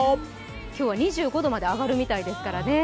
今日は２５度まで上がるみたいですからね。